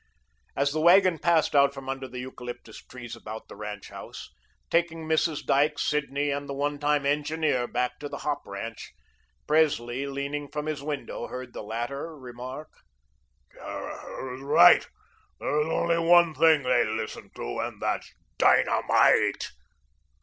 As the wagon passed out from under the eucalyptus trees about the ranch house, taking Mrs. Dyke, Sidney, and the one time engineer back to the hop ranch, Presley leaning from his window heard the latter remark: "Caraher is right. There is only one thing they listen to, and that's dynamite."